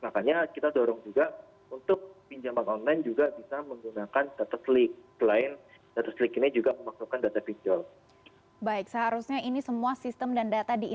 nah makanya kita dorong juga untuk pinjaman online juga bisa menggunakan data klik